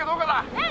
うん！